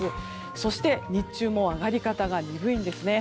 そして、日中も上がり方がにぶいんですね。